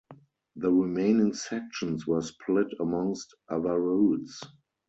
The remaining sections were split amongst other routes.